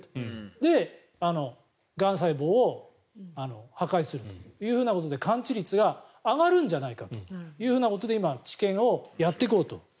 で、がん細胞を破壊するということで完治率が上がるんじゃないかということで今、治験をやっていこうと。